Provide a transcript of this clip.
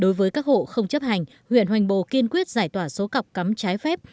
đối với các hộ không chấp hành huyện hoành bồ kiên quyết giải tỏa số cọc cắm trái phép